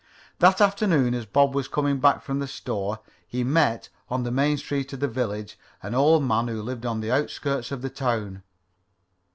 That afternoon as Bob was coming back from the store, he met, on the main street of the village, an old man who lived on the outskirts of the town.